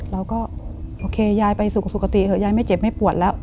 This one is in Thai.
เราก็โอเคยายไปสู่สุขติเถอะยายไม่เจ็บไม่ปวดแล้ว